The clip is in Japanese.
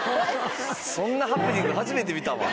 そんなハプニング初めて見たわ。